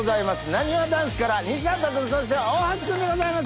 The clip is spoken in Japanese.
なにわ男子から西畑君そして大橋君でございます